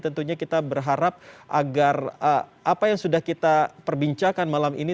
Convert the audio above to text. tentunya kita berharap agar apa yang sudah kita perbincangkan malam ini